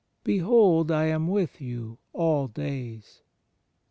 "Behold, I am with you all days."